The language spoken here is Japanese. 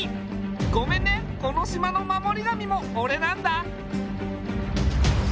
ごめんねこの島の守り神も俺なんだ。